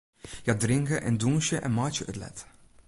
Hja drinke en dûnsje en meitsje it let.